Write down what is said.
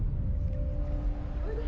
おいで！